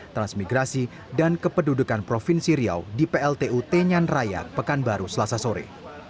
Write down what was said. transmigrasi dan kepedudukan provinsi riau di pltu tenyan raya pekanbaru selasa sore